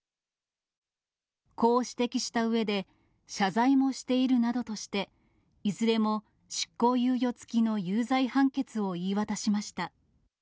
こう指摘したうえで、謝罪もしているなどとして、いずれも執行猶予付きの有罪判決を言い渡しました。